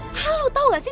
malu tau gak sih